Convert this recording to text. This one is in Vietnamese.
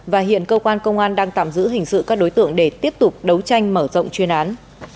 và hiện cơ quan công an đang tạm giữ hình sự các đối tượng để tiếp tục đấu tranh mở rộng chuyên án